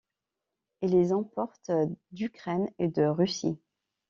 Ils les importent d'Ukraine et de Russie.